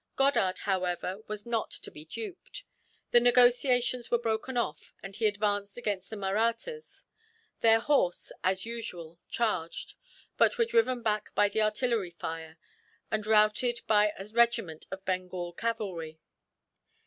Goddard, however, was not to be duped. The negotiations were broken off, and he advanced against the Mahrattas. Their horse, as usual, charged; but were driven back by the artillery fire, and routed by a regiment of Bengal cavalry.